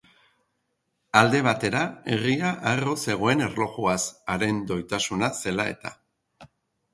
Alde batera, herria harro zegoen erlojuaz, haren doitasuna zela-eta.